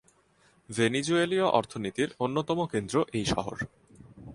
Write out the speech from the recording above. ভেনিজুয়েলীয় অর্থনীতির অন্যতম কেন্দ্র এই শহর।